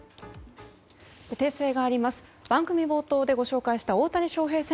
訂正があります。